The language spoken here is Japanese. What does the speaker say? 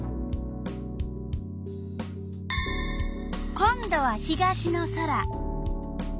今度は東の空。